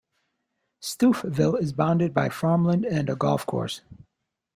Stouffville is bounded by farmland and a golf course.